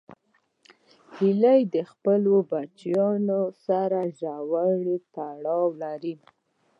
هیلۍ د خپلو بچو سره ژور تړاو لري